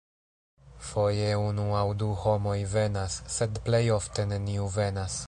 Foje unu aŭ du homoj venas, sed plejofte neniu venas.